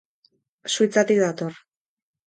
Suitzatik dator.